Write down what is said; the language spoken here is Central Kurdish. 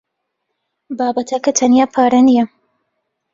بابەتەکە تەنیا پارە نییە.